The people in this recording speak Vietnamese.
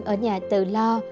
ở nhà tự lo